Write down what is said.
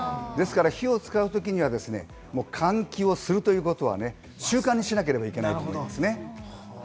火を使う時は換気をするということは習慣にしなければいけないです。